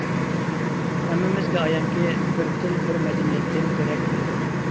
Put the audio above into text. ھەممىمىزگە ئايانكى، بىر تىل بىر مەدەنىيەتتىن دېرەك بېرىدۇ.